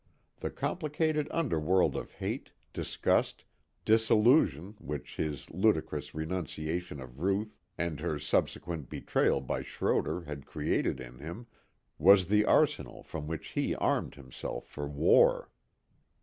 The complicated underworld of hate, disgust, disillusion which his ludicrous renunciation of Ruth and her subsequent betrayal by Schroder had created in him, was the arsenal from which he armed himself for war.